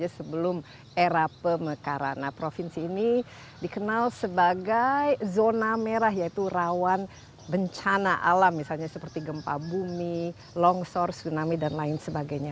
sebelum era pemekaran provinsi ini dikenal sebagai zona merah yaitu rawan bencana alam misalnya seperti gempa bumi longsor tsunami dan lain sebagainya